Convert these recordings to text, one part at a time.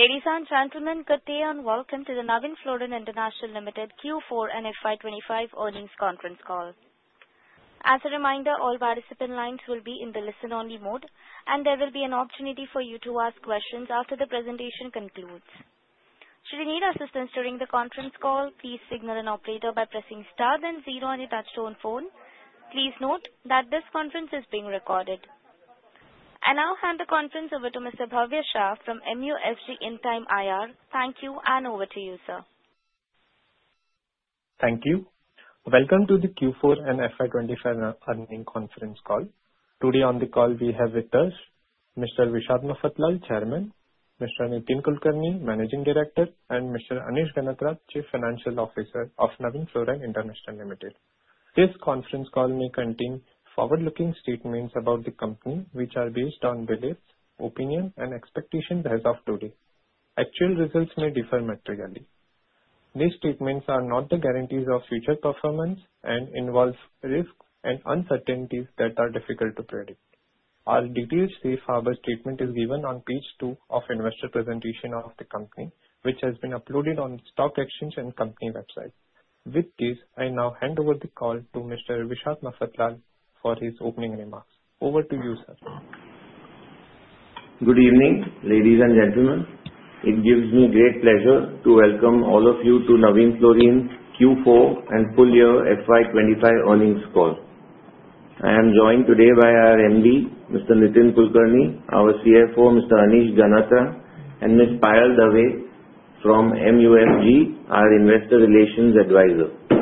Ladies and gentlemen, good day and welcome to the Navin Fluorine International Limited Q4 and FY 25 Earnings Conference Call. As a reminder, all participant lines will be in the listen-only mode, and there will be an opportunity for you to ask questions after the presentation concludes. Should you need assistance during the conference call, please signal an operator by pressing star then zero on your touch-tone phone. Please note that this conference is being recorded. I now hand the conference over to Mr. Bhavya Shah from Strategic Growth Advisors. Thank you, and over to you, sir. Thank you. Welcome to the Q4 and FY 25 earnings conference call. Today on the call, we have with us Mr. Vishad P. Mafatlal, Chairman, Mr. Nitin Kulkarni, Managing Director, and Mr. Anish Ganatra, Chief Financial Officer of Navin Fluorine International Limited. This conference call may contain forward-looking statements about the company, which are based on beliefs, opinions, and expectations as of today. Actual results may differ materially. These statements are not the guarantees of future performance and involve risks and uncertainties that are difficult to predict. All details see how the statement is given on page two of investor presentation of the company, which has been uploaded on the stock exchange and company website. With this, I now hand over the call to Mr. Vishad P. Mafatlal for his opening remarks. Over to you, sir. Good evening, ladies and gentlemen. It gives me great pleasure to welcome all of you to Navin Fluorine Q4 and full year FY 25 earnings call. I am joined today by our MD, Mr. Nitin Kulkarni, our CFO, Mr. Anish Ganatra, and Ms. Payal Dave from Strategic Growth Advisors, our investor relations advisor.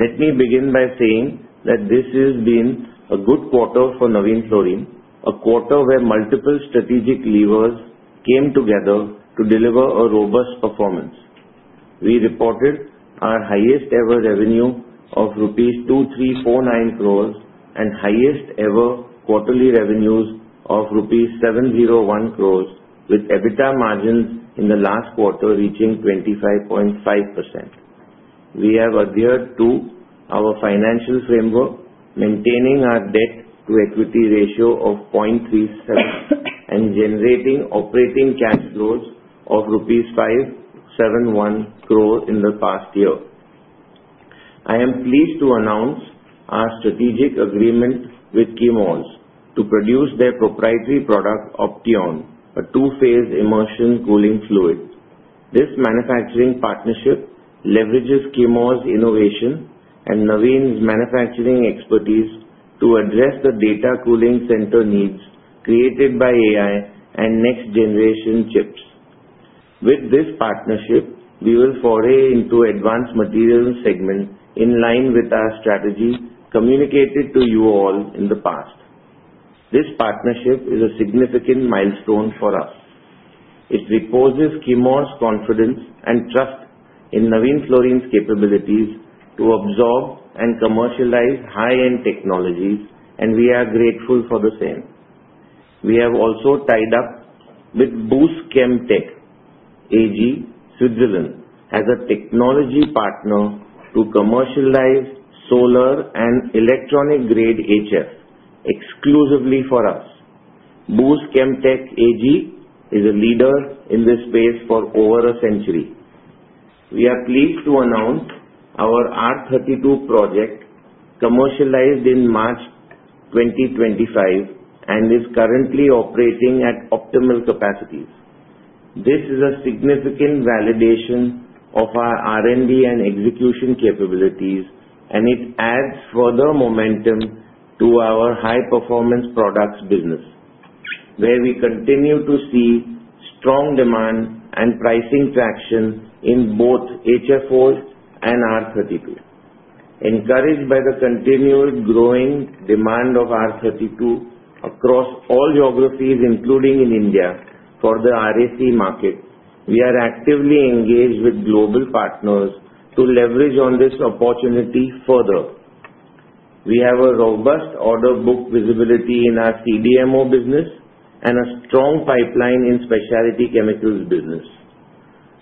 Let me begin by saying that this has been a good quarter for Navin Fluorine, a quarter where multiple strategic levers came together to deliver a robust performance. We reported our highest-ever revenue of ₹2,349 crores and highest-ever quarterly revenues of ₹701 crores, with EBITDA margins in the last quarter reaching 25.5%. We have adhered to our financial framework, maintaining our debt-to-equity ratio of 0.37 and generating operating cash flows of ₹571 crores in the past year. I am pleased to announce our strategic agreement with Chemours to produce their proprietary product, Opteon, a two-phase immersion cooling fluid. This manufacturing partnership leverages Chemours' innovation and Navin's manufacturing expertise to address the data center cooling needs created by AI and next-generation chips. With this partnership, we will foray into the advanced materials segment in line with our strategy communicated to you all in the past. This partnership is a significant milestone for us. It depicts Chemours' confidence and trust in Navin Fluorine's capabilities to absorb and commercialize high-end technologies, and we are grateful for the same. We have also tied up with Buss ChemTech AG, Switzerland, as a technology partner to commercialize solar and electronic-grade HF exclusively for us. Buss ChemTech AG is a leader in this space for over a century. We are pleased to announce our R-32 project, commercialized in March 2025, and is currently operating at optimal capacities. This is a significant validation of our R&D and execution capabilities, and it adds further momentum to our high-performance products business, where we continue to see strong demand and pricing traction in both HFOs and R32. Encouraged by the continued growing demand of R32 across all geographies, including in India, for the RAC market, we are actively engaged with global partners to leverage this opportunity further. We have a robust order book visibility in our CDMO business and a strong pipeline in specialty chemicals business.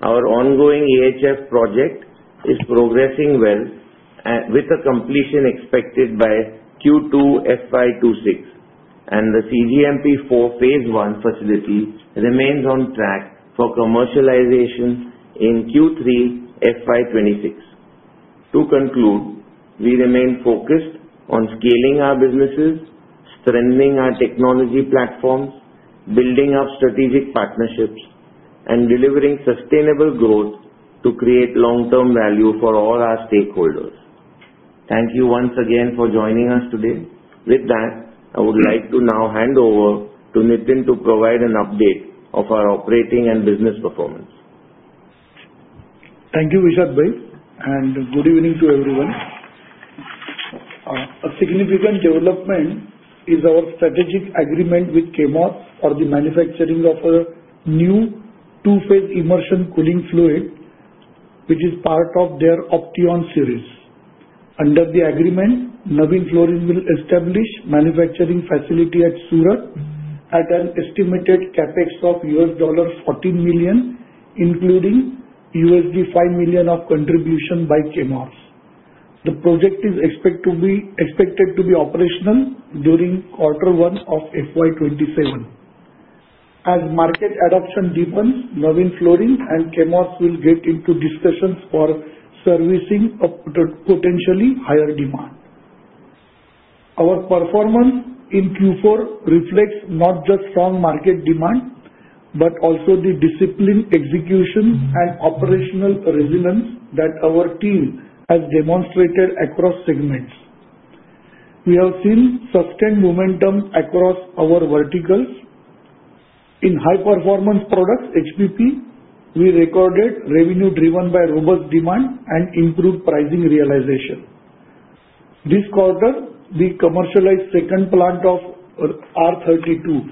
Our ongoing HF project is progressing well, with completion expected by Q2 FY 26, and the cGMP-4 Phase One facility remains on track for commercialization in Q3 FY 26. To conclude, we remain focused on scaling our businesses, strengthening our technology platforms, building up strategic partnerships, and delivering sustainable growth to create long-term value for all our stakeholders. Thank you once again for joining us today. With that, I would like to now hand over to Nitin to provide an update of our operating and business performance. Thank you, Vishad Mafatlal, and good evening to everyone. A significant development is our strategic agreement with Chemours for the manufacturing of a new two-phase immersion cooling fluid, which is part of their Opteon series. Under the agreement, Navin Fluorine will establish a manufacturing facility at Surat at an estimated CapEx of $14 million, including $5 million of contribution by Chemours. The project is expected to be operational during Q1 of FY27. As market adoption deepens, Navin Fluorine and Chemours will get into discussions for servicing potentially higher demand. Our performance in Q4 reflects not just strong market demand but also the disciplined execution and operational resilience that our team has demonstrated across segments. We have seen sustained momentum across our verticals. In high-performance products, HPP, we recorded revenue driven by robust demand and improved pricing realization. This quarter, we commercialized the second plant of R32.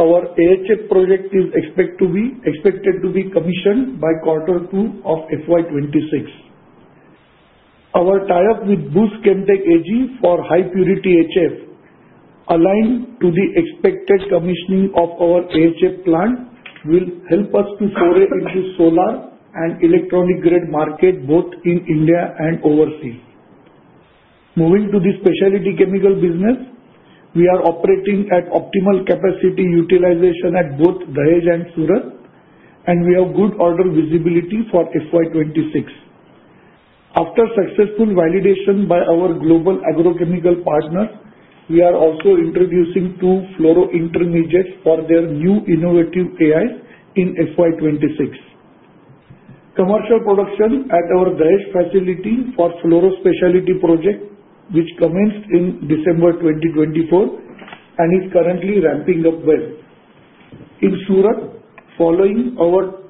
Our HF project is expected to be commissioned by Q2 of FY 26. Our tie-up with Buss ChemTech AG for high-purity HF, aligned to the expected commissioning of our HF plant, will help us to foray into solar and electronic-grade markets both in India and overseas. Moving to the specialty chemical business, we are operating at optimal capacity utilization at both Dahej and Surat, and we have good order visibility for FY 26. After successful validation by our global agrochemical partners, we are also introducing two fluoro intermediates for their new innovative AIs in FY 26. Commercial production at our Dahej facility for fluoro specialty project, which commenced in December 2024 and is currently ramping up well. In Surat, following our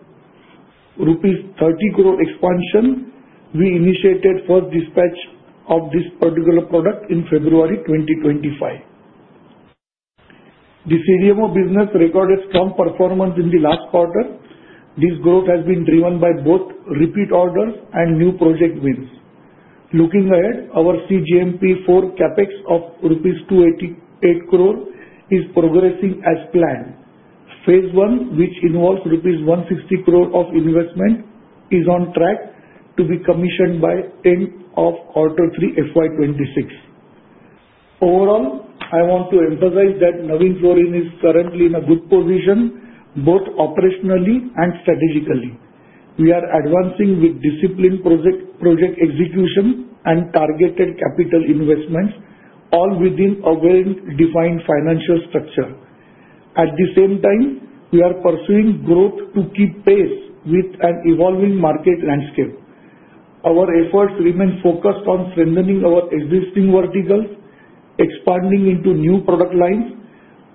rupees 30 crore expansion, we initiated the first dispatch of this particular product in February 2025. The CDMO business recorded strong performance in the last quarter. This growth has been driven by both repeat orders and new project wins. Looking ahead, our cGMP-4 CapEx of INR 288 crore is progressing as planned. Phase One, which involves INR 160 crore of investment, is on track to be commissioned by the end of Q3 FY 26. Overall, I want to emphasize that Navin Fluorine is currently in a good position both operationally and strategically. We are advancing with disciplined project execution and targeted capital investments, all within a well-defined financial structure. At the same time, we are pursuing growth to keep pace with an evolving market landscape. Our efforts remain focused on strengthening our existing verticals, expanding into new product lines,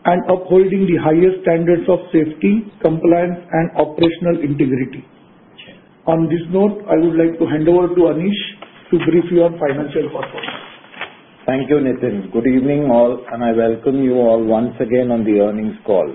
and upholding the highest standards of safety, compliance, and operational integrity. On this note, I would like to hand over to Anish to brief you on financial performance. Thank you, Nitin. Good evening all, and I welcome you all once again on the earnings call.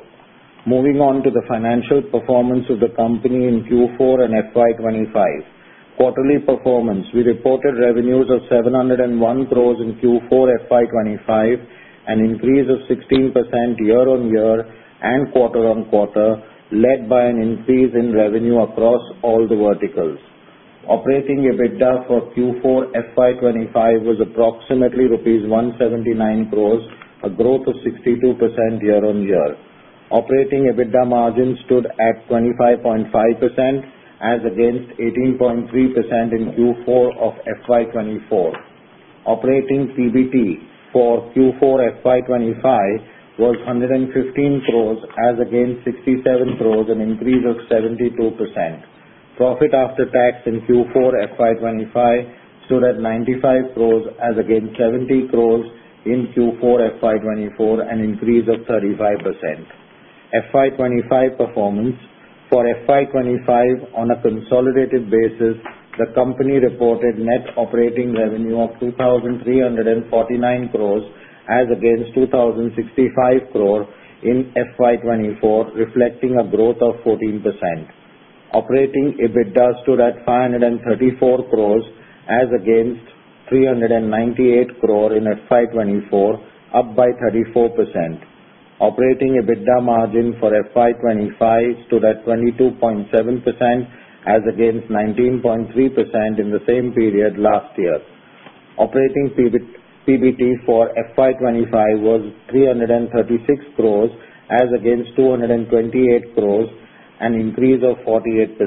Moving on to the financial performance of the company in Q4 and FY 25. Quarterly performance: We reported revenues of 701 crores in Q4 FY 25, an increase of 16% year-on-year and quarter-on-quarter, led by an increase in revenue across all the verticals. Operating EBITDA for Q4 FY 25 was approximately INR 179 crores, a growth of 62% year-on-year. Operating EBITDA margin stood at 25.5%, as against 18.3% in Q4 of FY 24. Operating PBT for Q4 FY 25 was 115 crores, as against 67 crores, an increase of 72%. Profit after tax in Q4 FY 25 stood at 95 crores, as against 70 crores in Q4 FY 24, an increase of 35%. FY 25 performance: For FY 25, on a consolidated basis, the company reported net operating revenue of 2,349 crores, as against 2,065 crores in FY 24, reflecting a growth of 14%. Operating EBITDA stood at 534 crores, as against 398 crores in FY 24, up by 34%. Operating EBITDA margin for FY 25 stood at 22.7%, as against 19.3% in the same period last year. Operating PBT for FY 25 was 336 crores, as against 228 crores, an increase of 48%.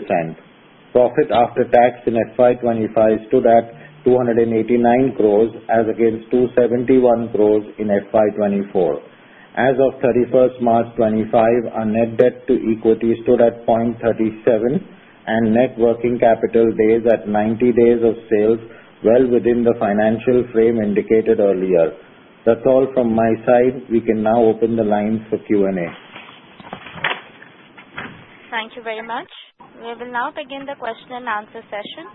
Profit after tax in FY 25 stood at 289 crores, as against 271 crores in FY 24. As of 31 March 2025, our net debt to equity stood at 0.37, and net working capital days at 90 days of sales, well within the financial frame indicated earlier. That's all from my side. We can now open the lines for Q&A. Thank you very much. We will now begin the question-and-answer session.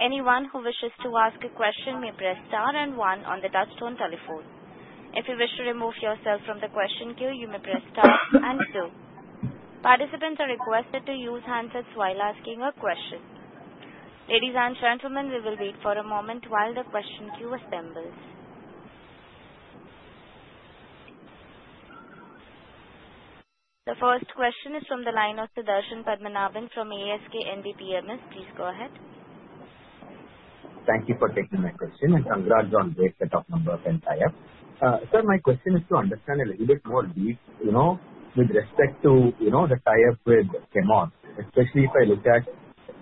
Anyone who wishes to ask a question may press star and one on the touch-tone telephone. If you wish to remove yourself from the question queue, you may press star and two. Participants are requested to use handsets while asking a question. Ladies and gentlemen, we will wait for a moment while the question queue assembles. The first question is from the line of Sudarshan Padmanabhan from ASK Investment Managers. Please go ahead. Thank you for taking my question, and congrats on great setup number of NFIL. Sir, my question is to understand a little bit more deep with respect to the tie-up with Chemours, especially if I look at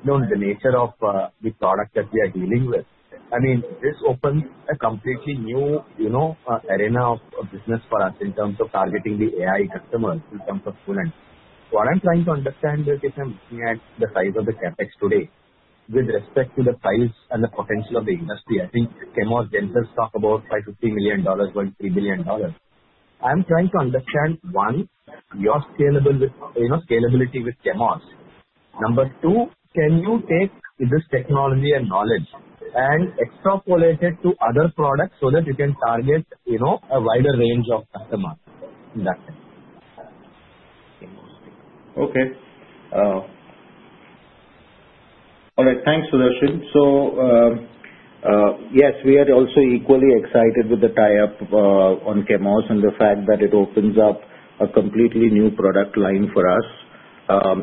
the nature of the product that we are dealing with. I mean, this opens a completely new arena of business for us in terms of targeting the AI customers in terms of coolants. What I'm trying to understand is, if I'm looking at the size of the CapEx today, with respect to the size and the potential of the industry, I think Chemours themselves talk about $50 million versus $3 billion. I'm trying to understand, one, your scalability with Chemours. Number two, can you take this technology and knowledge and extrapolate it to other products so that you can target a wider range of customers in that sense? Okay. All right. Thanks, Sudarshan. So yes, we are also equally excited with the tie-up on Chemours and the fact that it opens up a completely new product line for us.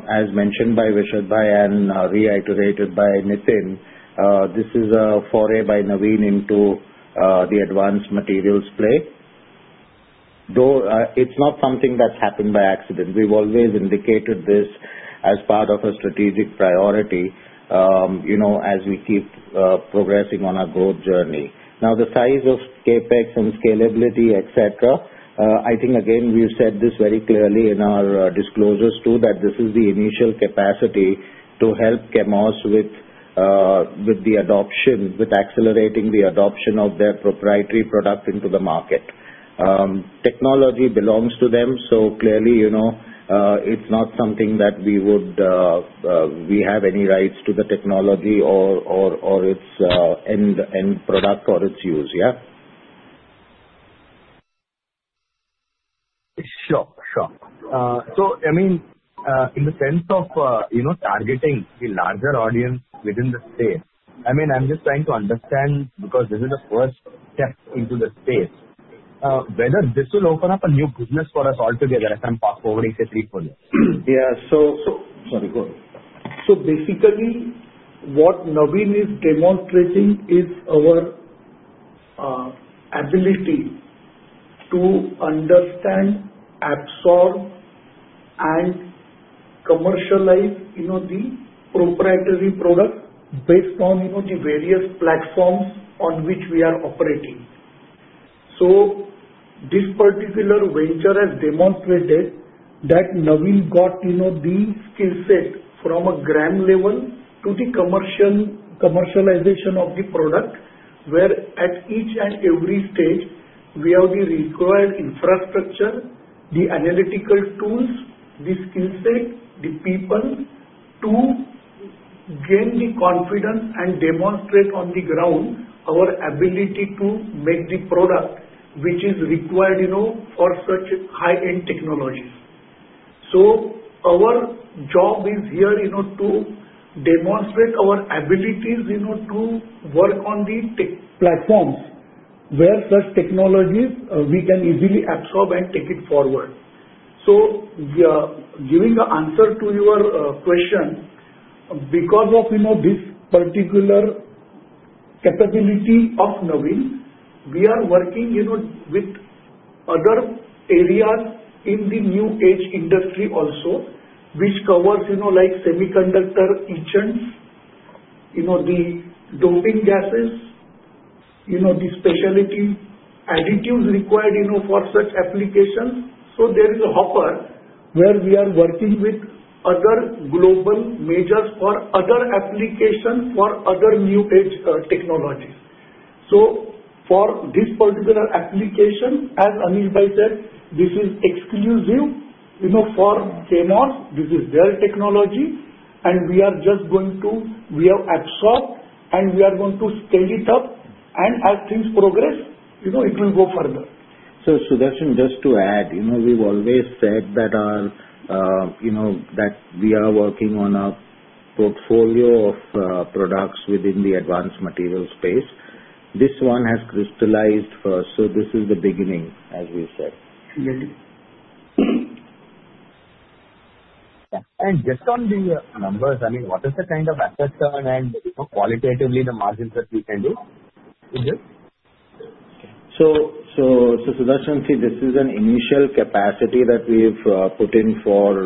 As mentioned by Vishad Bhai and reiterated by Nitin, this is a foray by Navin into the advanced materials play. Though it's not something that's happened by accident, we've always indicated this as part of a strategic priority as we keep progressing on our growth journey. Now, the size of CapEx and scalability, etc., I think, again, we've said this very clearly in our disclosures too, that this is the initial capacity to help Chemours with the adoption, with accelerating the adoption of their proprietary product into the market. Technology belongs to them, so clearly it's not something that we have any rights to the technology or its end product or its use. Yeah? Sure. Sure. So I mean, in the sense of targeting the larger audience within the state, I mean, I'm just trying to understand because this is the first step into the space, whether this will open up a new business for us altogether if I'm passed forward, I say, three-fold. Basically, what Navin is demonstrating is our ability to understand, absorb, and commercialize the proprietary product based on the various platforms on which we are operating. This particular venture has demonstrated that Navin got the skill set from a gram level to the commercialization of the product, where at each and every stage, we have the required infrastructure, the analytical tools, the skill set, the people to gain the confidence and demonstrate on the ground our ability to make the product which is required for such high-end technologies. Our job is here to demonstrate our abilities to work on the platforms where such technologies, we can easily absorb and take it forward. So, giving an answer to your question, because of this particular capability of Navin, we are working with other areas in the new age industry also, which covers like semiconductor agents, the doping gases, the specialty additives required for such applications. So there is a hopper where we are working with other global majors for other applications, for other new age technologies. So for this particular application, as Anish Bhai said, this is exclusive for Chemours. This is their technology, and we are just going to, we have absorbed, and we are going to scale it up. And as things progress, it will go further. So Sudarshan, just to add, we've always said that we are working on a portfolio of products within the Advanced Materials space. This one has crystallized first, so this is the beginning, as we said. Just on the numbers, I mean, what is the kind of assets and qualitatively the margins that we can do? Is it? Sudarshan said this is an initial capacity that we've put in for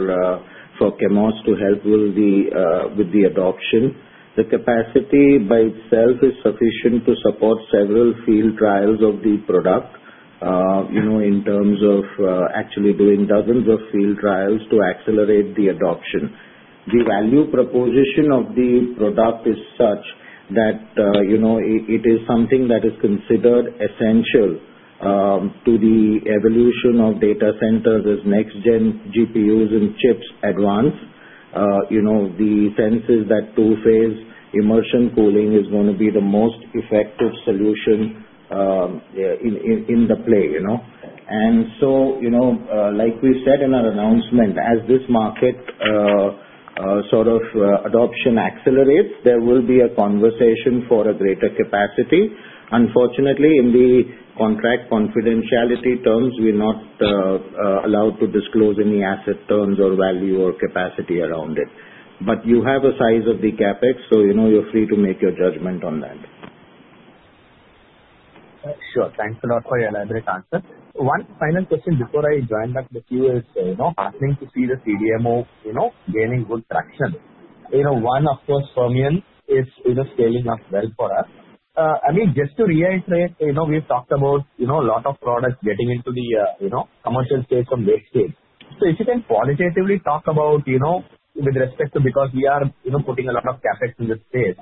Chemours to help with the adoption. The capacity by itself is sufficient to support several field trials of the product in terms of actually doing dozens of field trials to accelerate the adoption. The value proposition of the product is such that it is something that is considered essential to the evolution of data centers as next-gen GPUs and chips advance. The sense is that two-phase immersion cooling is going to be the most effective solution in the play. So like we said in our announcement, as this market sort of adoption accelerates, there will be a conversation for a greater capacity. Unfortunately, in the contract confidentiality terms, we're not allowed to disclose any asset terms or value or capacity around it. But you have a size of the CapEx, so you're free to make your judgment on that. Sure. Thanks a lot for your elaborate answer. One final question before I join back with you: I'm happy to see the CDMO gaining good traction. One, of course, Fermion is scaling up well for us. I mean, just to reiterate, we've talked about a lot of products getting into the commercial space from late stage. So if you can qualitatively talk about, with respect to because we are putting a lot of CapEx in this space,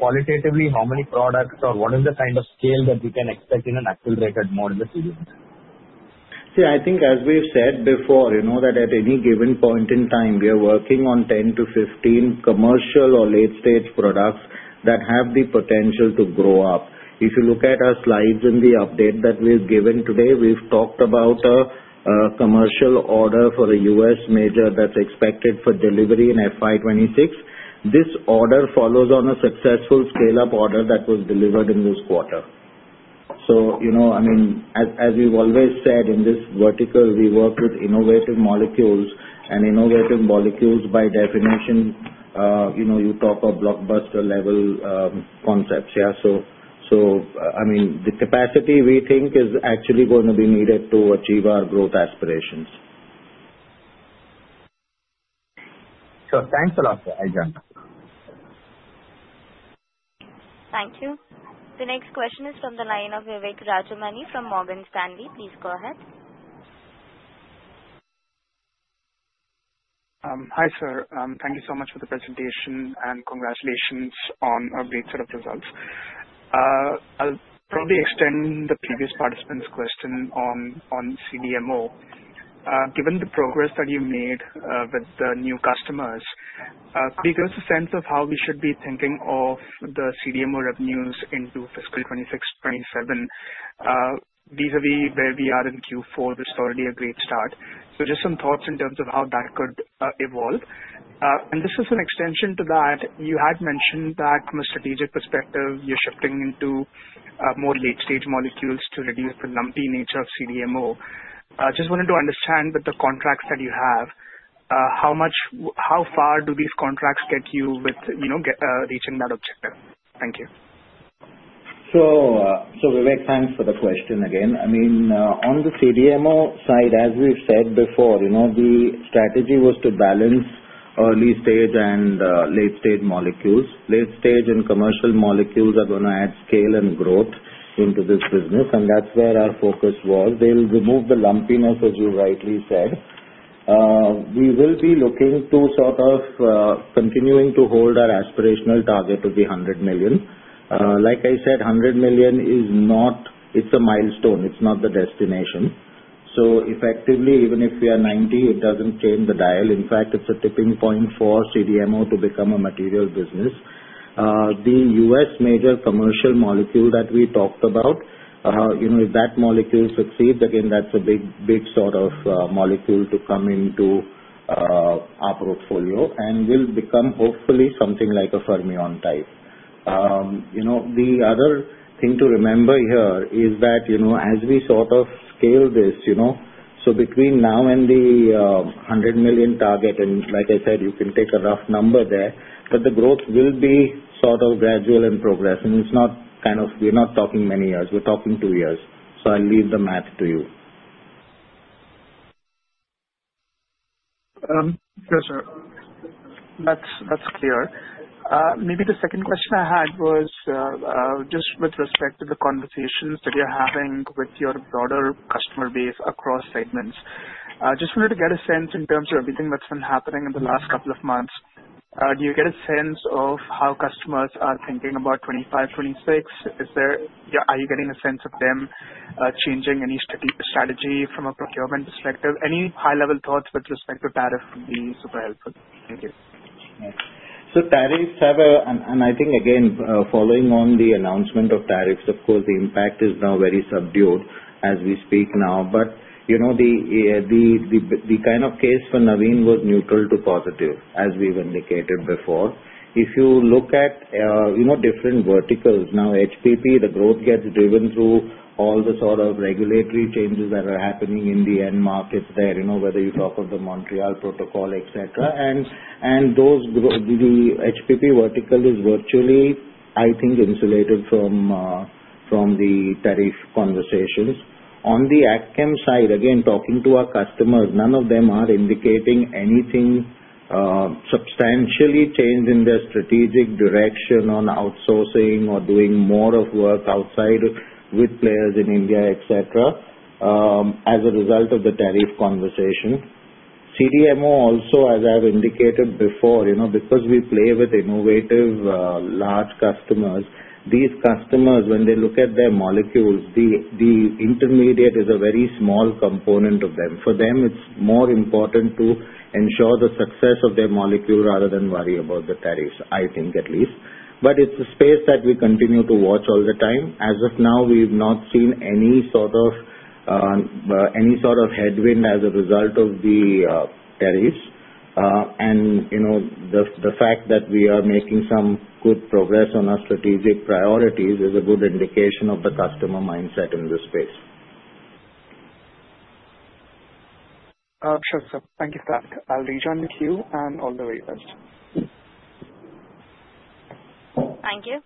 qualitatively, how many products or what is the kind of scale that we can expect in an accelerated mode in the CDMO? See, I think, as we've said before, that at any given point in time, we are working on 10-15 commercial or late-stage products that have the potential to grow up. If you look at our slides in the update that we've given today, we've talked about a commercial order for a U.S. major that's expected for delivery in FY 26. This order follows on a successful scale-up order that was delivered in this quarter. So I mean, as we've always said in this vertical, we work with innovative molecules, and innovative molecules by definition, you talk of blockbuster-level concepts. Yeah? So I mean, the capacity we think is actually going to be needed to achieve our growth aspirations. Sure. Thanks a lot, Anish. Thank you. The next question is from the line of Vivek Rajamani from Morgan Stanley. Please go ahead. Hi, sir. Thank you so much for the presentation, and congratulations on a great set of results. I'll probably extend the previous participant's question on CDMO. Given the progress that you've made with the new customers, could you give us a sense of how we should be thinking of the CDMO revenues into fiscal 2026, 2027? Vis-à-vis where we are in Q4, this is already a great start. So just some thoughts in terms of how that could evolve. And this is an extension to that. You had mentioned that from a strategic perspective, you're shifting into more late-stage molecules to reduce the lumpy nature of CDMO. I just wanted to understand with the contracts that you have, how far do these contracts get you with reaching that objective? Thank you. So Vivek, thanks for the question again. I mean, on the CDMO side, as we've said before, the strategy was to balance early-stage and late-stage molecules. Late-stage and commercial molecules are going to add scale and growth into this business, and that's where our focus was. They'll remove the lumpiness, as you rightly said. We will be looking to sort of continuing to hold our aspirational target to be 100 million. Like I said, 100 million is not, it's a milestone. It's not the destination. So effectively, even if we are 90, it doesn't change the dial. In fact, it's a tipping point for CDMO to become a material business. The US major commercial molecule that we talked about, if that molecule succeeds, again, that's a big sort of molecule to come into our portfolio and will become, hopefully, something like a Fermion type. The other thing to remember here is that as we sort of scale this, so between now and the 100 million target, and like I said, you can take a rough number there, but the growth will be sort of gradual and progressive. It's not kind of, we're not talking many years. We're talking two years. So I'll leave the math to you. Yes, sir. That's clear. Maybe the second question I had was just with respect to the conversations that you're having with your broader customer base across segments. Just wanted to get a sense in terms of everything that's been happening in the last couple of months. Do you get a sense of how customers are thinking about 2025, 2026? Are you getting a sense of them changing any strategy from a procurement perspective? Any high-level thoughts with respect to tariff would be super helpful. Thank you. So tariffs have a, and I think, again, following on the announcement of tariffs, of course, the impact is now very subdued as we speak now. But the kind of case for Navin was neutral to positive, as we've indicated before. If you look at different verticals now, HPP, the growth gets driven through all the sort of regulatory changes that are happening in the end markets there, whether you talk of the Montreal Protocol, etc. And the HPP vertical is virtually, I think, insulated from the tariff conversations. On the AgChem side, again, talking to our customers, none of them are indicating anything substantially changed in their strategic direction on outsourcing or doing more of work outside with players in India, etc., as a result of the tariff conversation. CDMO also, as I've indicated before, because we play with innovative large customers, these customers, when they look at their molecules, the intermediate is a very small component of them. For them, it's more important to ensure the success of their molecule rather than worry about the tariffs, I think at least. But it's a space that we continue to watch all the time. As of now, we've not seen any sort of headwind as a result of the tariffs, and the fact that we are making some good progress on our strategic priorities is a good indication of the customer mindset in this space. Sure, sir. Thank you for that. I'll rejoin with you and all the very best. Thank you.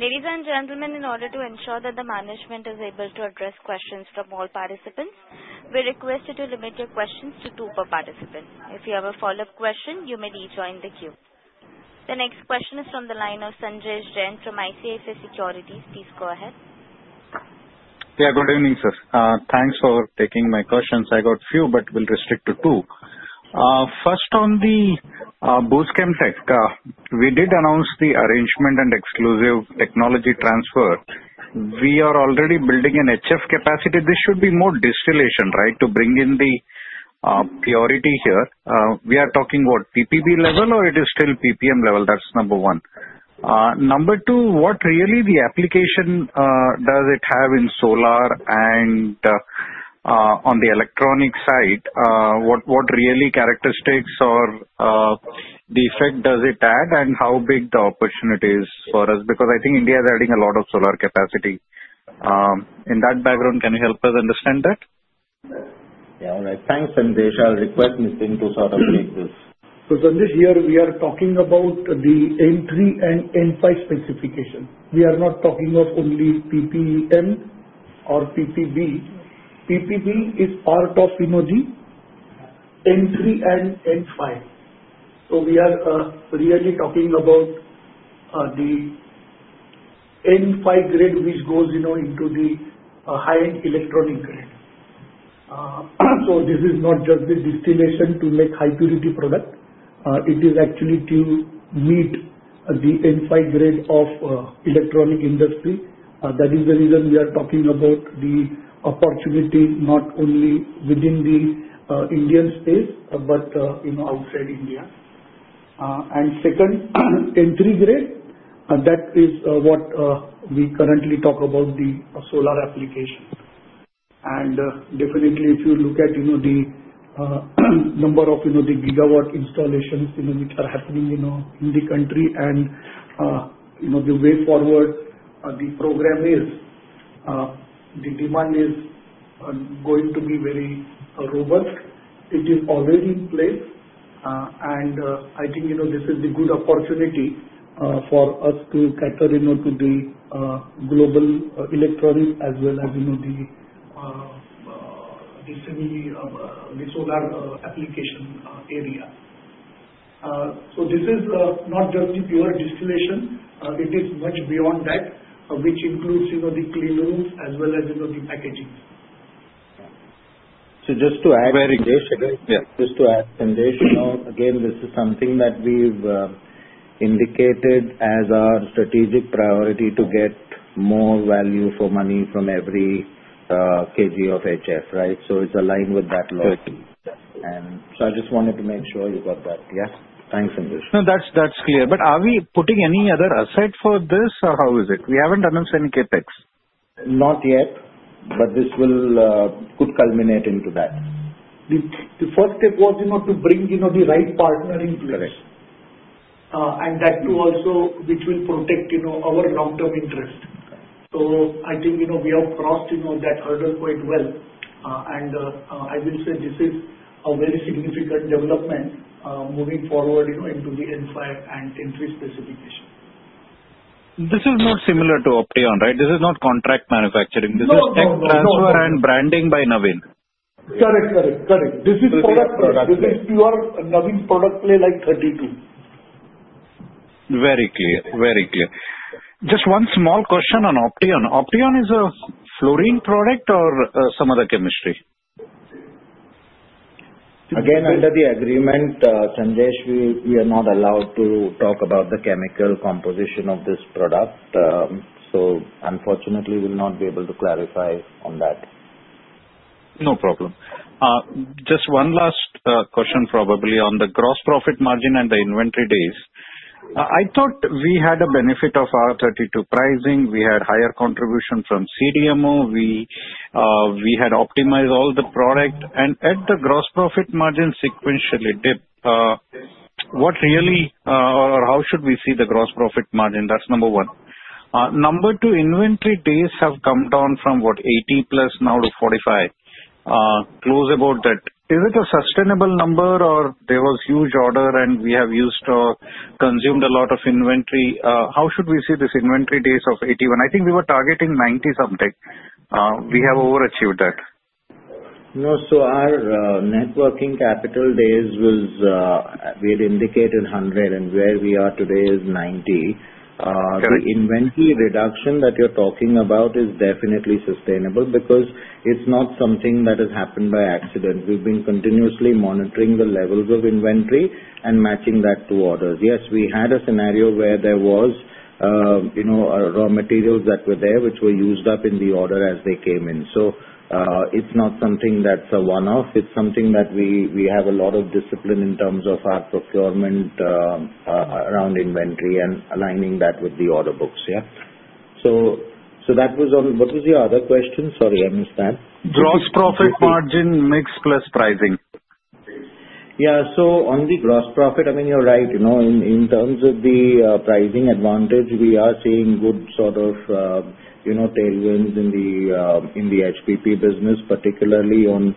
Ladies and gentlemen, in order to ensure that the management is able to address questions from all participants, we're requested to limit your questions to two per participant. If you have a follow-up question, you may rejoin the queue. The next question is from the line of Sanjay Jain from ICICI Securities. Please go ahead. Yeah. Good evening, sir. Thanks for taking my questions. I got a few, but we'll restrict to two. First, on the Buss ChemTech, we did announce the arrangement and exclusive technology transfer. We are already building an HF capacity. This should be more distillation, right, to bring in the purity here. We are talking what, PPB level or it is still PPM level? That's number one. Number two, what really the application does it have in solar and on the electronic side? What really characteristics or the effect does it add and how big the opportunity is for us? Because I think India is adding a lot of solar capacity. In that background, can you help us understand that? Yeah. All right. Thanks, Sanjay. I'll request Mr. Nitin to sort of take this. Sanjay, here we are talking about the entry and end-phase specification. We are not talking of only PPM or PPB. PPB is part of the entry and end-phase. We are really talking about the end-phase grade which goes into the high-end electronic grade. This is not just the distillation to make high-purity product. It is actually to meet the end-phase grade of electronic industry. That is the reason we are talking about the opportunity not only within the Indian space but outside India. Second, entry grade, that is what we currently talk about the solar application. Definitely, if you look at the number of the gigawatt installations which are happening in the country and the way forward the program is, the demand is going to be very robust. It is already in place, and I think this is a good opportunity for us to cater to the global electronics as well as the solar application area. So this is not just the pure distillation. It is much beyond that, which includes the clean rooms as well as the packaging. So just to add, Sanjay, again, this is something that we've indicated as our strategic priority to get more value for money from every kg of HF, right? So it's aligned with that goal. And so I just wanted to make sure you got that. Yeah? Thanks, Sanjay. No, that's clear. But are we putting any other asset for this or how is it? We haven't announced any CapEx. Not yet, but this could culminate into that. The first step was to bring the right partner into this. And that too also which will protect our long-term interest. So I think we have crossed that hurdle quite well. And I will say this is a very significant development moving forward into the end-phase and entry specification. This is not similar to Opteon, right? This is not contract manufacturing. This is tech transfer and branding by Navin. Correct. This is product play. This is pure Navin product play like 32. Very clear. Very clear. Just one small question on Opteon. Opteon is a fluorine product or some other chemistry? Again, under the agreement, Sanjay, we are not allowed to talk about the chemical composition of this product. So unfortunately, we'll not be able to clarify on that. No problem. Just one last question probably on the gross profit margin and the inventory days. I thought we had a benefit of our R32 pricing. We had higher contribution from CDMO. We had optimized all the product. And the gross profit margin sequentially dipped. What really or how should we see the gross profit margin? That's number one. Number two, inventory days have come down from what, 80 plus now to 45, close about that. Is it a sustainable number or there was huge order and we have used or consumed a lot of inventory? How should we see this inventory days of 81? I think we were targeting 90 something. We have overachieved that. No. So our net working capital days was we had indicated 100, and where we are today is 90. The inventory reduction that you're talking about is definitely sustainable because it's not something that has happened by accident. We've been continuously monitoring the levels of inventory and matching that to orders. Yes, we had a scenario where there were raw materials that were there which were used up in the order as they came in. So it's not something that's a one-off. It's something that we have a lot of discipline in terms of our procurement around inventory and aligning that with the order books. Yeah? So that was on what was your other question? Sorry, I missed that. Gross profit margin mix plus pricing. Yeah. So on the gross profit, I mean, you're right. In terms of the pricing advantage, we are seeing good sort of tailwinds in the HPP business, particularly on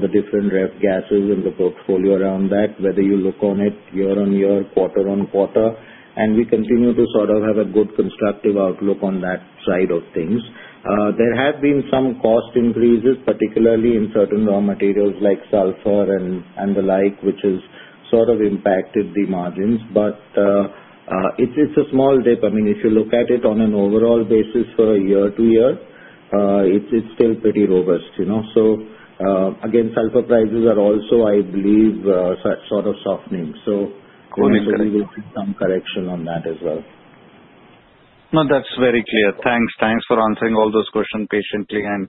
the different ref gases and the portfolio around that, whether you look on it year-on-year, quarter on quarter. And we continue to sort of have a good constructive outlook on that side of things. There have been some cost increases, particularly in certain raw materials like sulfur and the like, which has sort of impacted the margins. But it's a small dip. I mean, if you look at it on an overall basis for a year to year, it's still pretty robust. So again, sulfur prices are also, I believe, sort of softening. So hopefully, we'll see some correction on that as well. No, that's very clear. Thanks. Thanks for answering all those questions patiently and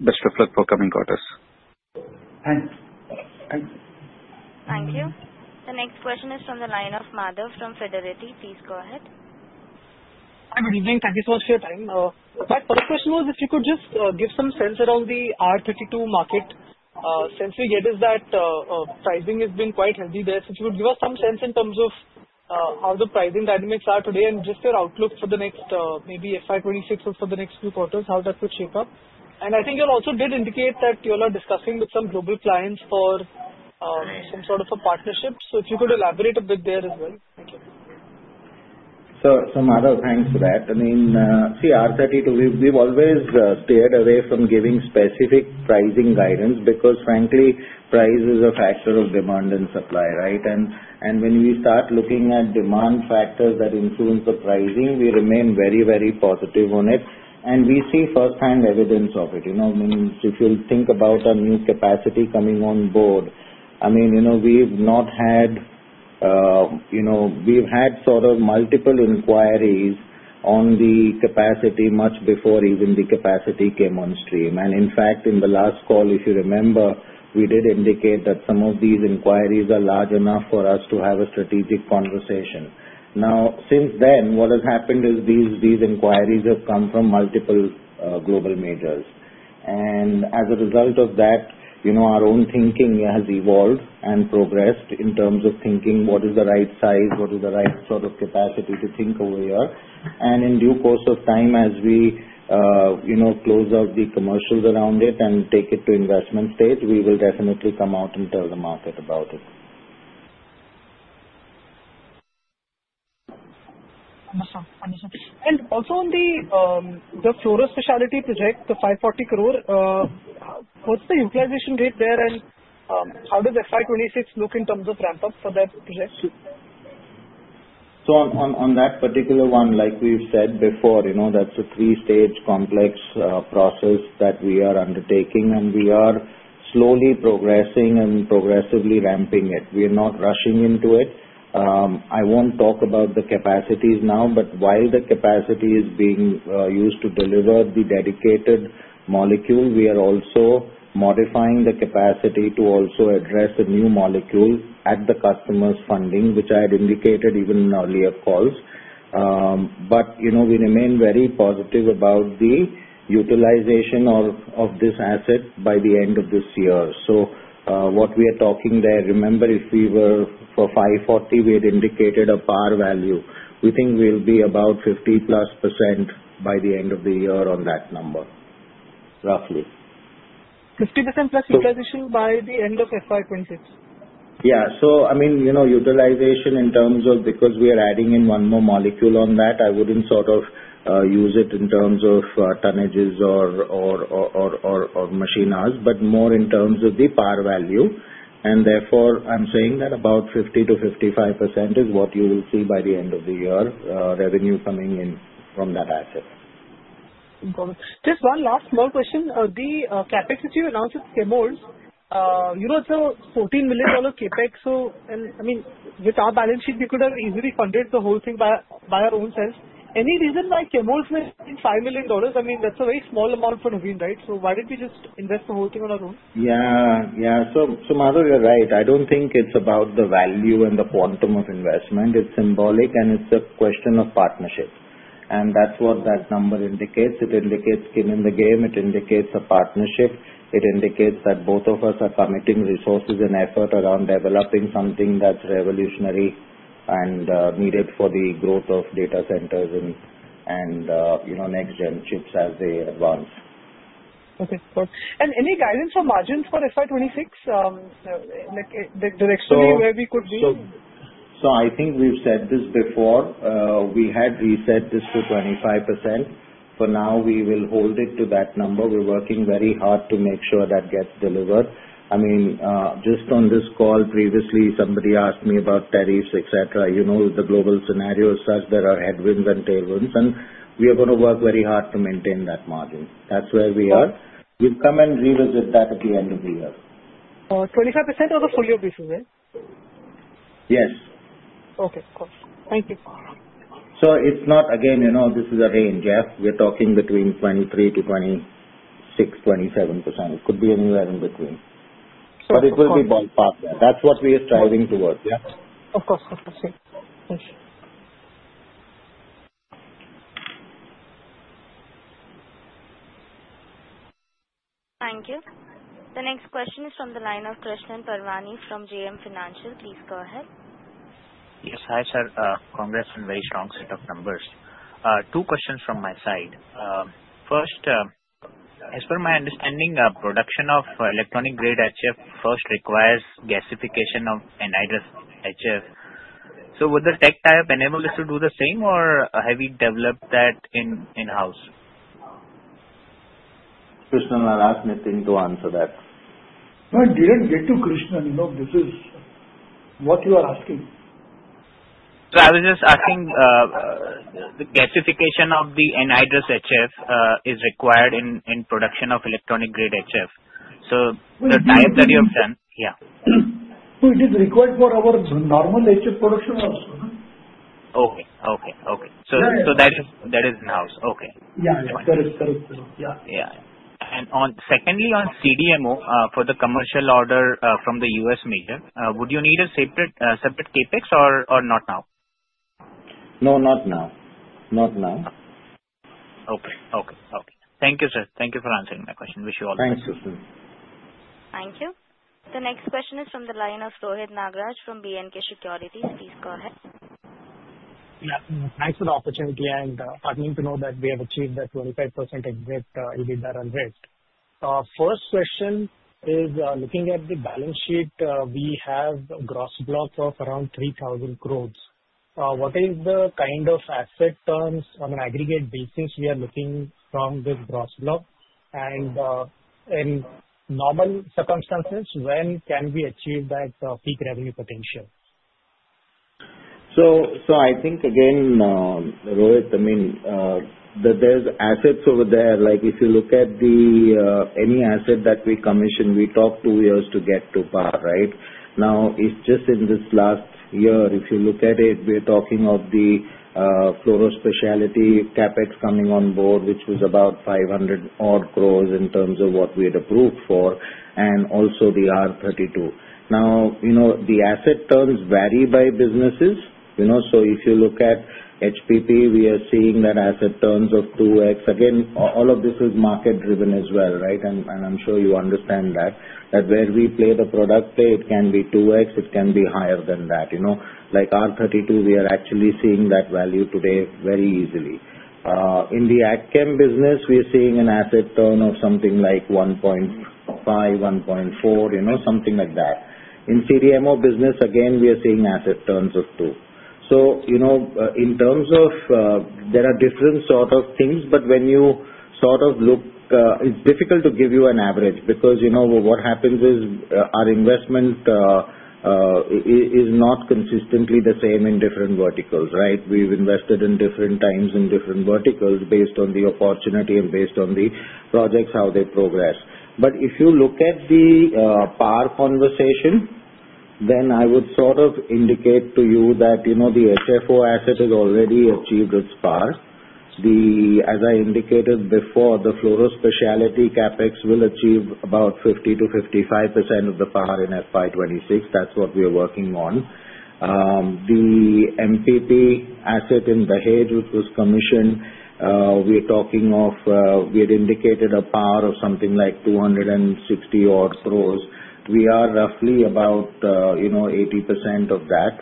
best of luck for coming quarters. Thanks. Thank you. The next question is from the line of Madhav from Fidelity. Please go ahead. Hi, good evening. Thank you so much for your time. My first question was if you could just give some sense around the R-32 market. Since what we get is that pricing has been quite heavy there. So if you could give us some sense in terms of how the pricing dynamics are today and just your outlook for the next maybe FY 26 or for the next few quarters, how that could shape up. And I think you also did indicate that you're discussing with some global clients for some sort of a partnership. So if you could elaborate a bit there as well. Thank you. So Madhav, thanks for that. I mean, see, R32, we've always steered away from giving specific pricing guidance because, frankly, price is a factor of demand and supply, right? And when we start looking at demand factors that influence the pricing, we remain very, very positive on it. And we see firsthand evidence of it. I mean, if you think about our new capacity coming on board, I mean, we've had sort of multiple inquiries on the capacity much before even the capacity came on stream. And in fact, in the last call, if you remember, we did indicate that some of these inquiries are large enough for us to have a strategic conversation. Now, since then, what has happened is these inquiries have come from multiple global majors. And as a result of that, our own thinking has evolved and progressed in terms of thinking what is the right size, what is the right sort of capacity to think over here. And in due course of time, as we close out the commercials around it and take it to investment state, we will definitely come out and tell the market about it. Wonderful. Wonderful. And also on the fluorine specialty project, the 540 crore, what's the utilization rate there and how does FY 26 look in terms of ramp-up for that project? So on that particular one, like we've said before, that's a three-stage complex process that we are undertaking, and we are slowly progressing and progressively ramping it. We are not rushing into it. I won't talk about the capacities now, but while the capacity is being used to deliver the dedicated molecule, we are also modifying the capacity to also address a new molecule at the customer's funding, which I had indicated even in earlier calls. But we remain very positive about the utilization of this asset by the end of this year. So what we are talking there, remember, if we were for 540, we had indicated a PAR value. We think we'll be about 50-plus% by the end of the year on that number, roughly. 50% plus utilization by the end of FY 26? Yeah. So I mean, utilization in terms of because we are adding in one more molecule on that, I wouldn't sort of use it in terms of tonnages or machines, but more in terms of the PAR value. And therefore, I'm saying that about 50%-55% is what you will see by the end of the year, revenue coming in from that asset. Just one last small question. The CapEx that you announced with Chemours, it's a $14 million CapEx. So I mean, with our balance sheet, we could have easily funded the whole thing by our own selves. Any reason why Chemours went $5 million? I mean, that's a very small amount for Navin, right? So why did we just invest the whole thing on our own? Yeah. Yeah. So Madhav, you're right. I don't think it's about the value and the quantum of investment. It's symbolic, and it's a question of partnership. And that's what that number indicates. It indicates skin in the game. It indicates a partnership. It indicates that both of us are committing resources and effort around developing something that's revolutionary and needed for the growth of data centers and next-gen chips as they advance. Okay. Cool. And any guidance on margins for FY 26, the direction where we could be? So I think we've said this before. We had reset this to 25%. For now, we will hold it to that number. We're working very hard to make sure that gets delivered. I mean, just on this call previously, somebody asked me about tariffs, etc. The global scenario is such that there are headwinds and tailwinds, and we are going to work very hard to maintain that margin. That's where we are. We'll come and revisit that at the end of the year. Or 25% or the portfolio basis, right? Yes. Okay. Cool. Thank you. It's not, again, this is a range. We're talking between 23% to 26%, 27%. It could be anywhere in between. But it will be ballpark there. That's what we are striving towards. Of course. Of course. Thank you. Thank you. The next question is from the line of Krishan Parwani from JM Financial. Please go ahead. Yes. Hi, sir. Q3 had a very strong set of numbers. Two questions from my side. First, as per my understanding, production of electronic-grade HF first requires gasification of anhydrous HF. So would the tech tie-up enable us to do the same, or have we developed that in-house? Krishnan, I'll ask Nitin to answer that. No, I didn't get to Krishan. This is what you are asking. So I was just asking the gasification of the anhydrous HF is required in production of electronic-grade HF. So the tie-up that you have done, yeah. So it is required for our normal HF production also. Okay. So that is in-house. Okay. Yeah. That is correct. Yeah. Yeah. And secondly, on CDMO for the commercial order from the U.S. major, would you need a separate CapEx or not now? No, not now. Not now. Okay. Okay. Okay. Thank you, sir. Thank you for answering my question. Wish you all the best. Thank you, sir. Thank you. The next question is from the line of Rohit Nagraj from B&K Securities. Please go ahead. Yeah. Thanks for the opportunity and partnering to know that we have achieved that 25% exit already. First question is looking at the balance sheet, we have a gross block of around 3,000 crores. What is the kind of asset terms on an aggregate basis we are looking from this gross block? And in normal circumstances, when can we achieve that peak revenue potential? So I think, again, Rohit, I mean, there's assets over there. If you look at any asset that we commission, we talk two years to get to par, right? Now, it's just in this last year, if you look at it, we're talking of the fluorine specialty CapEx coming on board, which was about 500 crore in terms of what we had approved for, and also the R-32. Now, the asset terms vary by businesses. So if you look at HPP, we are seeing that asset terms of 2X. Again, all of this is market-driven as well, right? And I'm sure you understand that. That where we play the product play, it can be 2X, it can be higher than that. Like R-32, we are actually seeing that value today very easily. In the AgChem business, we are seeing an asset turn of something like 1.5, 1.4, something like that. In CDMO business, again, we are seeing asset turns of 2. So in terms of there are different sort of things, but when you sort of look, it's difficult to give you an average because what happens is our investment is not consistently the same in different verticals, right? We've invested in different times in different verticals based on the opportunity and based on the projects, how they progress. But if you look at the payback conversation, then I would sort of indicate to you that the HFO asset has already achieved its payback. As I indicated before, the fluorine specialty CapEx will achieve about 50%-55% of the payback in FY 26. That's what we are working on. The MPP asset in the Dahej, which was commissioned, we're talking of we had indicated a PAR of something like 260 odd crores. We are roughly about 80% of that,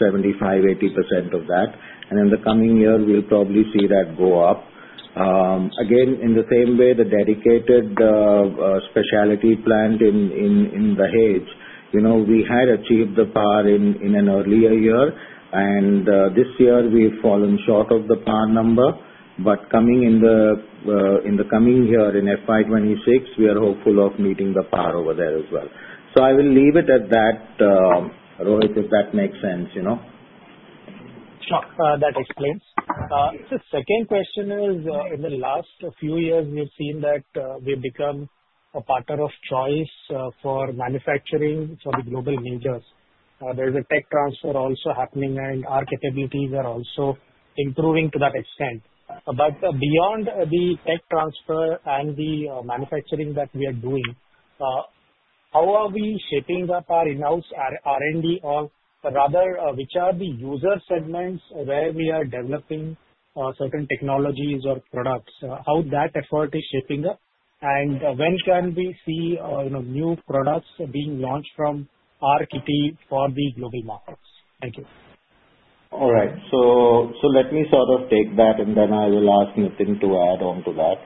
75%-80% of that. And in the coming year, we'll probably see that go up. Again, in the same way, the dedicated specialty plant in the Dahej, we had achieved the PAR in an earlier year. And this year, we've fallen short of the PAR number. But coming in the coming year in FY 26, we are hopeful of meeting the PAR over there as well. So I will leave it at that, Rohit, if that makes sense. Sure. That explains. The second question is, in the last few years, we have seen that we have become a partner of choice for manufacturing for the global majors. There is a tech transfer also happening, and our capabilities are also improving to that extent. But beyond the tech transfer and the manufacturing that we are doing, how are we shaping up our in-house R&D, or rather, which are the user segments where we are developing certain technologies or products? How that effort is shaping up? And when can we see new products being launched from R&T for the global markets? Thank you. All rig ht. So let me sort of take that, and then I will ask Nitin to add on to that.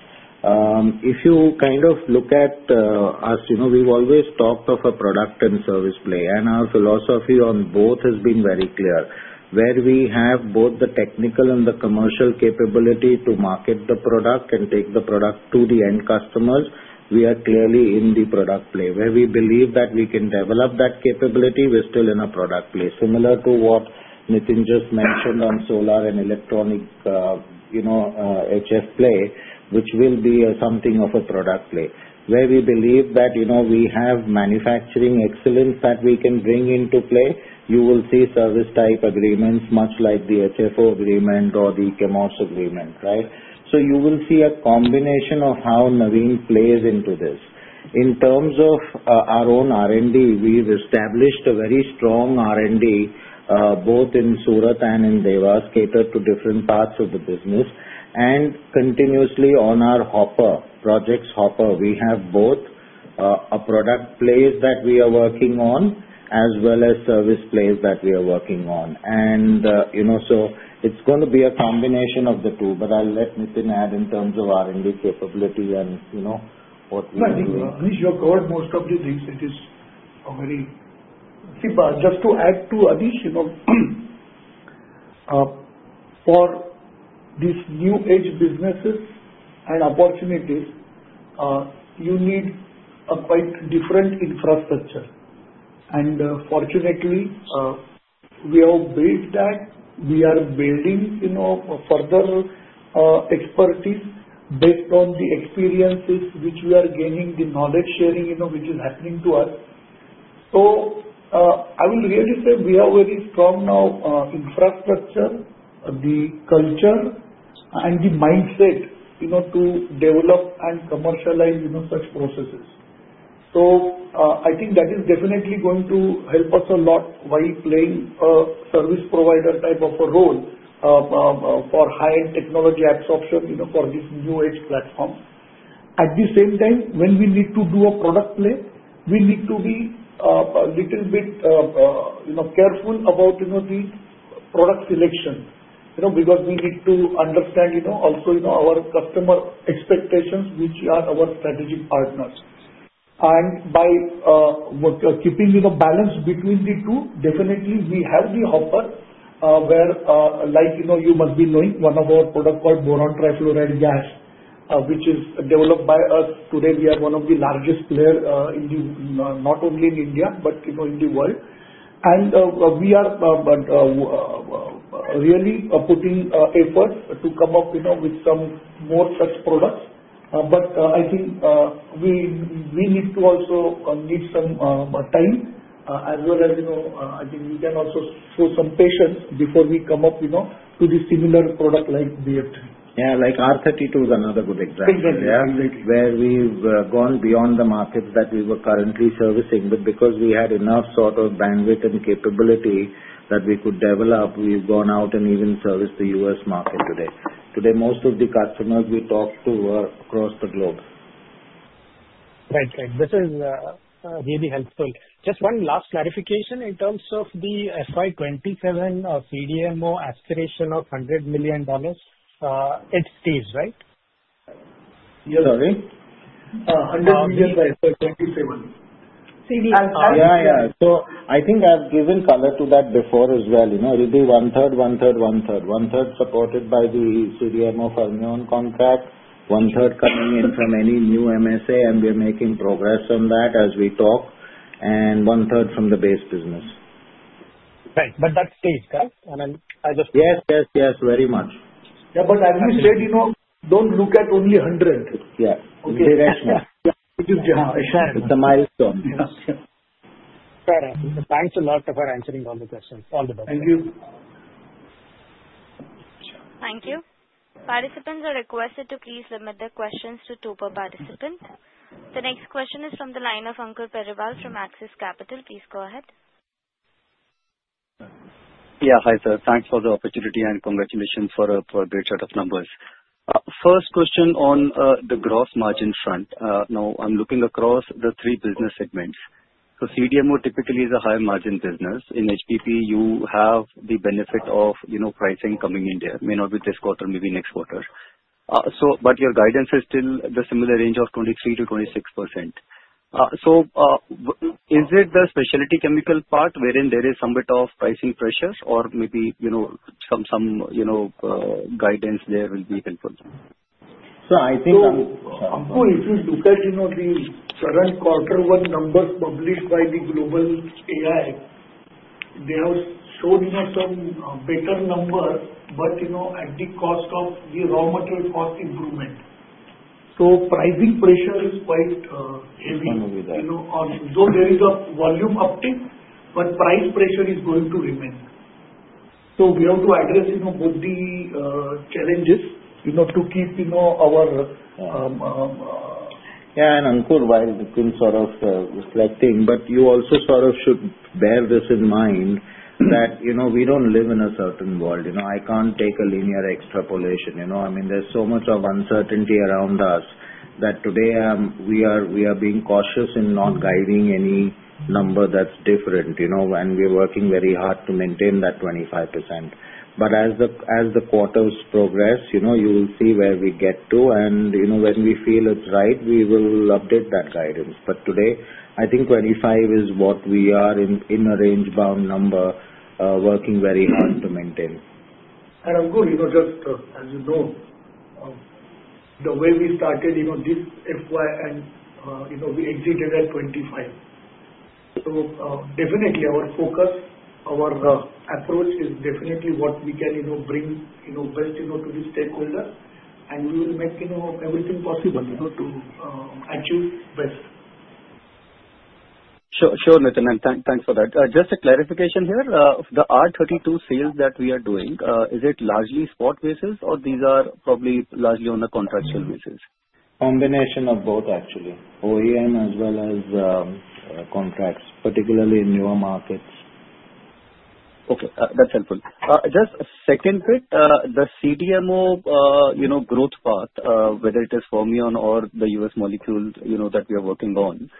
If you kind of look at us, we've always talked of a product and service play, and our philosophy on both has been very clear. Where we have both the technical and the commercial capability to market the product and take the product to the end customers, we are clearly in the product play. Where we believe that we can develop that capability, we're still in a product play. Similar to what Nitin just mentioned on solar and electronic HF play, which will be something of a product play. Where we believe that we have manufacturing excellence that we can bring into play, you will see service type agreements, much like the HFO agreement or the Chemours agreement, right? You will see a combination of how Navin plays into this. In terms of our own R&D, we've established a very strong R&D both in Surat and in Dewas, catered to different parts of the business. Continuously on our HPP projects, HPP, we have both a product place that we are working on as well as service place that we are working on. It's going to be a combination of the two, but I'll let Nitin add in terms of R&D capability and what we are doing. But Anish, your call most probably thinks it is a very. Just to add to Anish, for these new-age businesses and opportunities, you need a quite different infrastructure. Fortunately, we have built that. We are building further expertise based on the experiences which we are gaining, the knowledge sharing which is happening to us. I will really say we have a very strong now infrastructure, the culture, and the mindset to develop and commercialize such processes. I think that is definitely going to help us a lot while playing a service provider type of a role for high-end technology absorption for this new-age platform. At the same time, when we need to do a product play, we need to be a little bit careful about the product selection because we need to understand also our customer expectations, which are our strategic partners. By keeping the balance between the two, definitely, we have the HPP where, like you must be knowing, one of our products called Boron Trifluoride Gas, which is developed by us. Today, we are one of the largest players not only in India but in the world. We are really putting efforts to come up with some more such products. I think we also need some time, as well as I think we can also show some patience before we come up with the similar product like BF3. Yeah. Like R-32 is another good example. Yeah, where we've gone beyond the markets that we were currently servicing, but because we had enough sort of bandwidth and capability that we could develop, we've gone out and even serviced the U.S. market today. Today, most of the customers we talk to are across the globe. Right. Right. This is really helpful. Just one last clarification in terms of the FY 27 CDMO aspiration of $100 million. It stays, right? Yes. Sorry? 100 million by FY 27. CDMO. Yeah. Yeah. So I think I've given color to that before as well. It'll be one-third, one-third, one-third. One-third supported by the CDMO Fermion contract, one-third coming in from any new MSA, and we are making progress on that as we talk, and one-third from the base business. Right. But that stays, correct? And then I just. Yes. Yes. Yes. Very much. Yeah, but as you said, don't look at only 100. Yeah. Okay. The milestone. Thanks a lot for answering all the questions. All the best. Thank you. Thank you. Participants are requested to please limit their questions to two per participant. The next question is from the line of Ankur Periwal from Axis Capital. Please go ahead. Yeah. Hi, sir. Thanks for the opportunity and congratulations for a great set of numbers. First question on the gross margin front. Now, I'm looking across the three business segments. So CDMO typically is a high-margin business. In HPP, you have the benefit of pricing coming in there. May not be this quarter, maybe next quarter. But your guidance is still the similar range of 23%-26%. So is it the specialty chemical part wherein there is somewhat of pricing pressure, or maybe some guidance there will be helpful? So I think. So, Ankur, if you look at the current quarter one numbers published by the Global Ag, they have showed some better numbers, but at the cost of the raw material cost improvement. So pricing pressure is quite heavy. Can't do that. Though there is a volume uptake, but price pressure is going to remain. So we have to address both the challenges to keep our. Yeah, and Ankur, while Nitin sort of reflecting, but you also sort of should bear this in mind that we don't live in a certain world. I can't take a linear extrapolation. I mean, there's so much of uncertainty around us that today we are being cautious in not guiding any number that's different, and we are working very hard to maintain that 25%. But as the quarters progress, you will see where we get to, and when we feel it's right, we will update that guidance. But today, I think 25 is what we are in a range-bound number, working very hard to maintain. And Ankur, just as you know, the way we started this FY, and we exited at 25. So definitely, our focus, our approach is definitely what we can bring best to the stakeholders. And we will make everything possible to achieve best. Sure. Sure, Nitin. And thanks for that. Just a clarification here. The R32 sales that we are doing, is it largely spot basis, or these are probably largely on the contractual basis? Combination of both, actually. OEM as well as contracts, particularly in newer markets. Okay. That's helpful. Just a second bit. The CDMO growth path, whether it is Fermion or the US molecule that we are working on,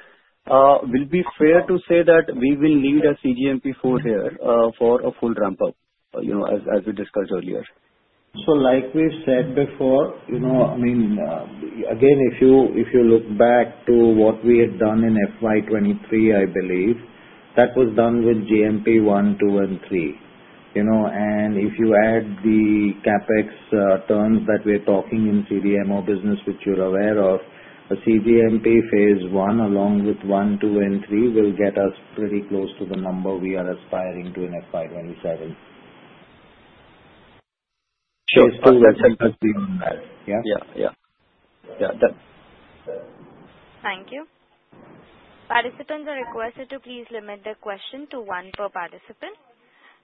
would it be fair to say that we will need a cGMP-4 here for a full ramp-up, as we discussed earlier? So like we said before, I mean, again, if you look back to what we had done in FY 23, I believe, that was done with cGMP1, 2, and 3. And if you add the CapEx terms that we're talking in CDMO business, which you're aware of, the cGMP phase one along with 1, 2, and 3 will get us pretty close to the number we are aspiring to in FY 27. Sure. Based on that. Yeah. Yeah. Yeah. Yeah. Thank you. Participants are requested to please limit their question to one per participant.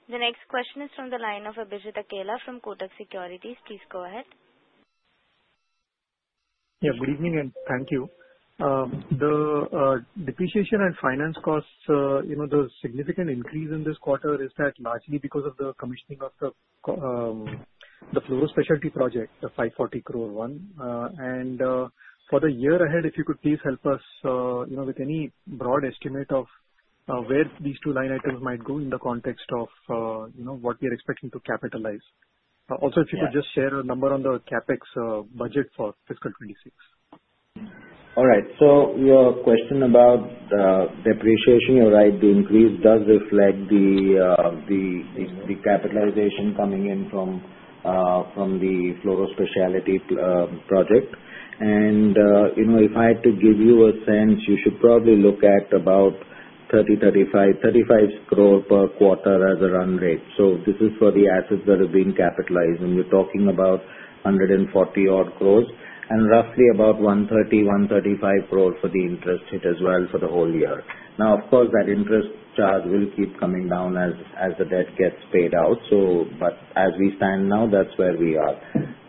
The next question is from the line of Abhijit Akela from Kotak Securities. Please go ahead. Yeah. Good evening, and thank you. The depreciation and finance costs, the significant increase in this quarter, is largely because of the commissioning of the fluorine specialty project, the 540 crore one. And for the year ahead, if you could please help us with any broad estimate of where these two line items might go in the context of what we are expecting to capitalize? Also, if you could just share a number on the CapEx budget for fiscal 2026? All right. So your question about depreciation, you're right. The increase does reflect the capitalization coming in from the fluorine specialty project. And if I had to give you a sense, you should probably look at about 30-35 crore per quarter as a run rate. So this is for the assets that are being capitalized. And we're talking about 140-odd crore and roughly about 130-135 crore for the interest hit as well for the whole year. Now, of course, that interest charge will keep coming down as the debt gets paid out. But as we stand now, that's where we are.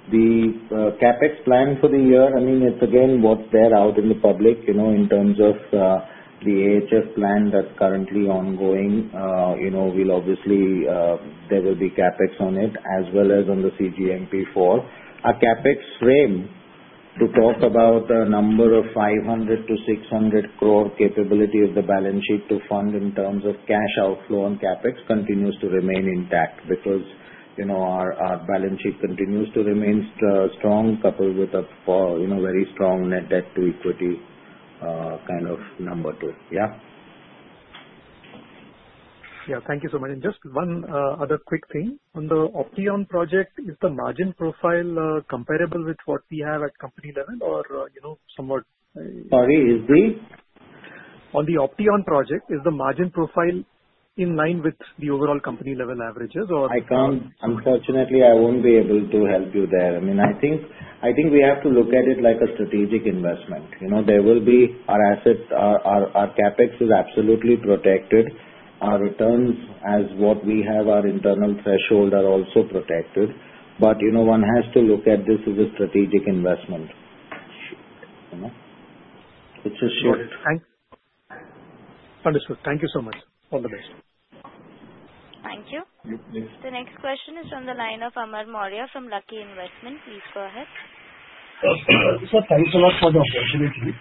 The CapEx plan for the year, I mean, again, what's there out in the public in terms of the AHF plan that's currently ongoing, we will obviously have CapEx on it as well as on the cGMP-4. Our CapEx frame to talk about a number of 500-600 crore capability of the balance sheet to fund in terms of cash outflow and CapEx continues to remain intact because our balance sheet continues to remain strong, coupled with a very strong net debt to equity kind of number too. Yeah. Yeah. Thank you so much. And just one other quick thing. On the Opteon project, is the margin profile comparable with what we have at company level or somewhat? Sorry. Is the? On the Opteon project, is the margin profile in line with the overall company-level averages or? Unfortunately, I won't be able to help you there. I mean, I think we have to look at it like a strategic investment. There will be our assets, our CapEx is absolutely protected. Our returns, as what we have, our internal threshold are also protected. But one has to look at this as a strategic investment. It's a short. Thanks. Understood. Thank you so much. All the best. Thank you. You too. The next question is from the line of Amar Maurya from Lucky Investment Managers. Please go ahead. Sir, thanks a lot for the opportunity.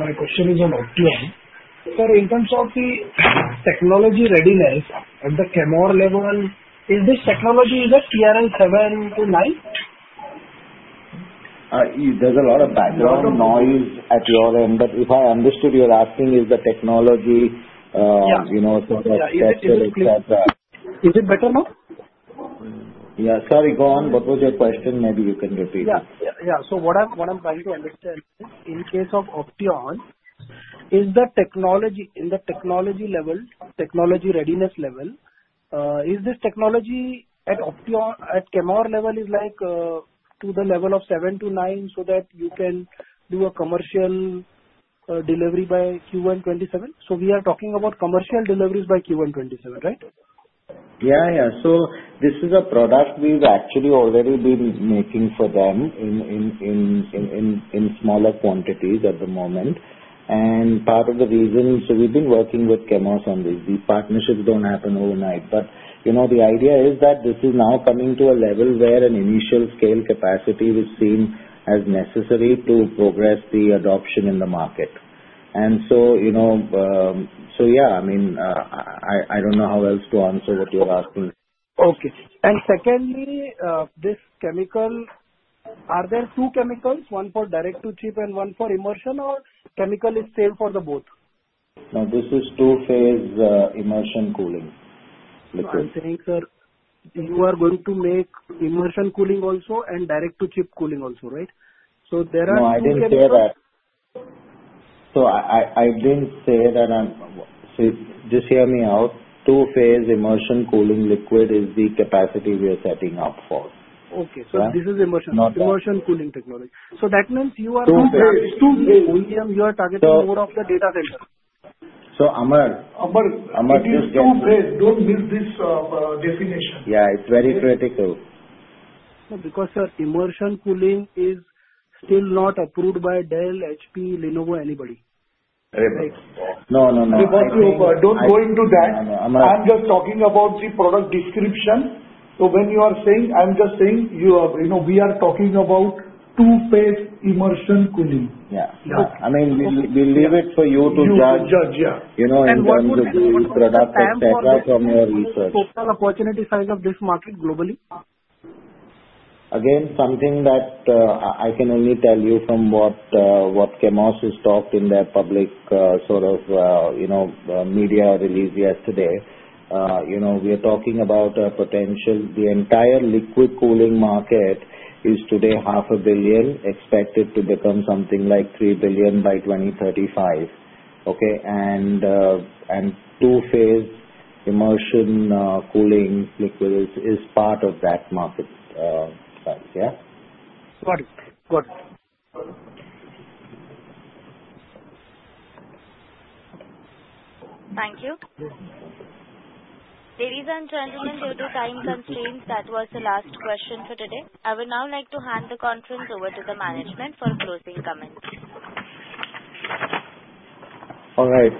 My question is on Opteon. Sir, in terms of the technology readiness at the Chemours level, is this technology is at TRL 7 to 9? There's a lot of background noise at your end, but if I understood you're asking, is the technology sort of structured, etc.? Is it better now? Yeah. Sorry. Go on. What was your question? Maybe you can repeat. Yeah. Yeah. So what I'm trying to understand is, in case of Opteon, is the technology in the technology level, technology readiness level, is this technology at Chemours level is like to the level of 7-9 so that you can do a commercial delivery by Q1 2027? So we are talking about commercial deliveries by Q1 2027, right? Yeah. Yeah. This is a product we've actually already been making for them in smaller quantities at the moment. Part of the reason is we've been working with Chemours on this. These partnerships don't happen overnight. The idea is that this is now coming to a level where an initial scale capacity was seen as necessary to progress the adoption in the market. Yeah, I mean, I don't know how else to answer what you're asking. Okay. And secondly, this chemical, are there two chemicals, one for direct-to-chip and one for immersion, or is the chemical the same for both? No, this is two-phase immersion cooling liquid. So I'm saying, sir, you are going to make immersion cooling also and direct-to-chip cooling also, right? So there are two chemicals. No, I didn't say that. So I didn't say that. So just hear me out. Two-phase immersion cooling liquid is the capacity we are setting up for. Okay, so this is immersion cooling technology, so that means you are going to. Two-phase. OEM, you are targeting more of the data center. So Amar. Amar, just get this. Don't miss this definition. Yeah. It's very critical. No, because, sir, immersion cooling is still not approved by Dell, HP, Lenovo, anybody. Right. No, no, no. Because you don't go into that. I'm just talking about the product description. So when you are saying, I'm just saying we are talking about two-phase immersion cooling. Yeah. I mean, we'll leave it for you to judge. You judge. Yeah. What would be the product etc. from your research? What's the opportunity size of this market globally? Again, something that I can only tell you from what Chemours has talked in their public sort of media release yesterday. We are talking about a potential. The entire liquid cooling market is today $0.5 billion, expected to become something like $3 billion by 2035. Okay? And two-phase immersion cooling liquid is part of that market. Yeah. Got it. Got it. Thank you. Ladies and gentlemen, due to time constraints, that was the last question for today. I would now like to hand the conference over to the management for closing comments. All right.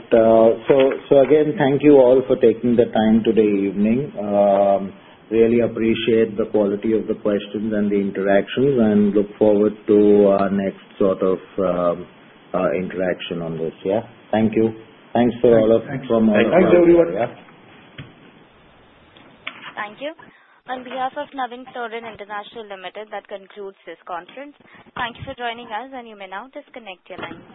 So again, thank you all for taking the time today evening. Really appreciate the quality of the questions and the interactions and look forward to our next sort of interaction on this. Yeah. Thank you. Thanks for all of. Thank you. Your time. Thanks, everyone. Thank you. On behalf of Navin Fluorine International Limited, that concludes this conference. Thank you for joining us, and you may now disconnect your line.